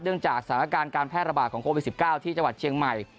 จากสถานการณ์การแพร่ระบาดของโควิด๑๙ที่จังหวัดเชียงใหม่